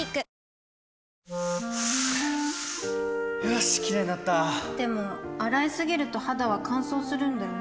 よしキレイになったでも、洗いすぎると肌は乾燥するんだよね